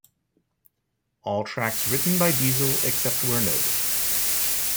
All tracks written by Diesel except where noted.